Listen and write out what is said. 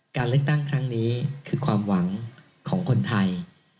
การเลือกตั้งครั้งนี้คือความหวังของคนไทย